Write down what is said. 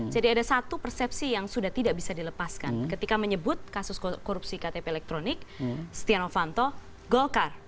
jadi ada satu persepsi yang sudah tidak bisa dilepaskan ketika menyebut kasus korupsi ktp elektronik sutyanovanto golkar